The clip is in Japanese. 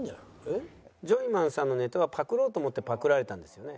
「ジョイマンさんのネタはパクろうと思ってパクられたんですよね？」。